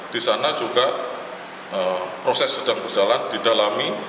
di sana juga proses sedang berjalan didalami